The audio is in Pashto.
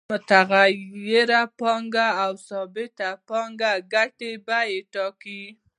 متغیره پانګه او ثابته پانګه د ګټې بیه ټاکي